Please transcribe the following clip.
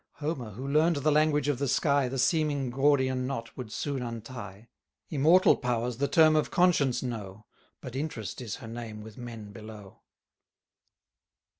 820 Homer, who learn'd the language of the sky, The seeming Gordian knot would soon untie; Immortal powers the term of Conscience know, But Interest is her name with men below.